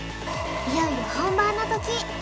いよいよ本番の時！